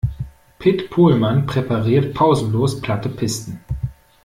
Pit Pohlmann präpariert pausenlos platte Pisten.